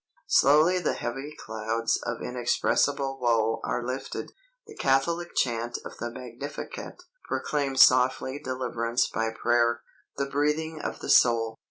Slowly the heavy clouds of inexpressible woe are lifted. The Catholic chant of the Magnificat proclaims softly deliverance by prayer, "the breathing of the soul."